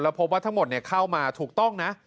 พบว่าทั้งหมดเข้ามาถูกต้องนะ